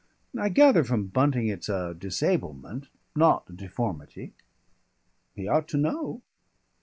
"I gather from Bunting it's a disablement not a deformity." "He ought to know."